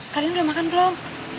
kalian udah makan belum